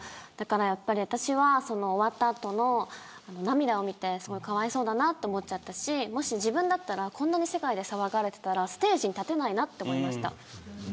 だから、やっぱり私は終わった後の涙を見てすごい、かわいそうだなと思っちゃったしもし、自分だったらこんなに世界で騒がれてたらステージに立てないなと思いました。